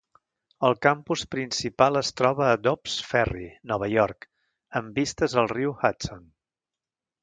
El campus principal es troba a Dobbs Ferry, Nova York, amb vistes al riu Hudson.